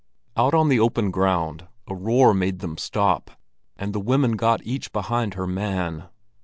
Out on the open ground a roar made them stop, and the women got each behind her man.